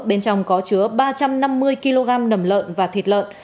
bên trong có chứa ba trăm năm mươi kg nầm lợn và thịt lợn